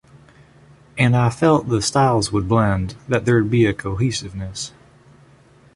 And I felt that the styles would blend, that there would be a cohesiveness.